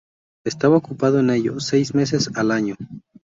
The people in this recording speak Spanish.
Estaba ocupado en ello seis meses al año.